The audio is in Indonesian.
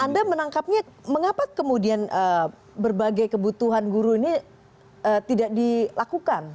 anda menangkapnya mengapa kemudian berbagai kebutuhan guru ini tidak dilakukan